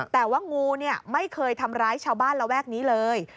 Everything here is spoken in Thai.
แต่ว่างูไม่เคยทำร้ายชาวบ้านระแวกนี้เลย